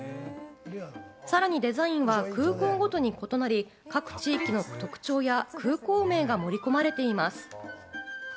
さらにデザインは空港ごとに異なり、各地域の特徴や空港名が盛り込まれていきます。